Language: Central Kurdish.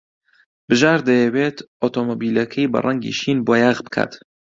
بژار دەیەوێت ئۆتۆمۆبیلەکەی بە ڕەنگی شین بۆیاغ بکات.